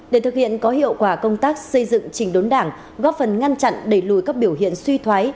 để thực hiện có hiệu quả công tác xây dựng trình đốn đảng góp phần ngăn chặn đẩy lùi các biểu hiện suy thoái